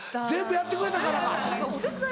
全部やってくれたからか。